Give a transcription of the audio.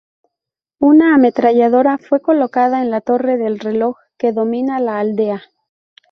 Una ametralladora fue colocada en la torre del reloj, que domina la aldea.